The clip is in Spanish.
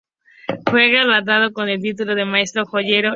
Fue galardonado con el título de Maestro Joyero.